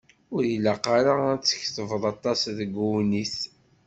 Ur ilaq ara ad tketbeḍ aṭas deg uwennit.